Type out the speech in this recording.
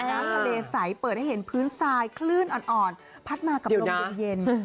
น้ำทะเลใสเปิดให้เห็นพื้นทรายคลื่นอ่อนพัดมากับลมเย็น